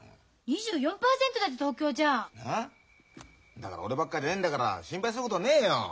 だから俺ばっかりじゃねえんだから心配することねえよ。